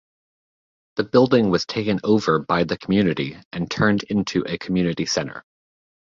The building was taken over by the community and turned into a community centre.